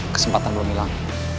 kesempatan belum hilang